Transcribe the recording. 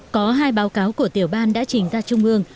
có hai báo cáo của tiểu ban đã trình ra trung ương